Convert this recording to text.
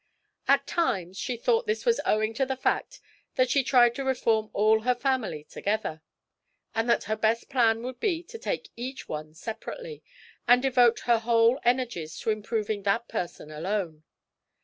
At times she thought this was owing to the fact that she tried to reform all her family together, and that her best plan would be to take each one separately, and devote her whole energies to improving that person alone.